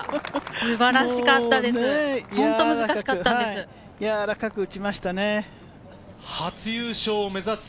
素晴らしかったです。